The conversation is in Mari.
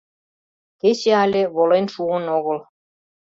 Кече але волен шуын огыл.